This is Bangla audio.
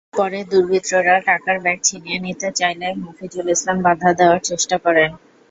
পরে দুর্বৃত্তরা টাকার ব্যাগ ছিনিয়ে নিতে চাইলে মফিজুল ইসলাম বাধা দেওয়ার চেষ্টা করেন।